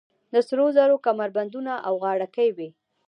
د سرو زرو کمربندونه او غاړکۍ وې